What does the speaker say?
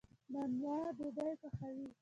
نانوا ډوډۍ پخوي.